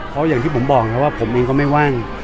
เพราะอย่างที่ผมบอกนะครับว่าผมเองก็ไม่ว่าง